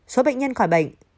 số bệnh nhân khỏi bệnh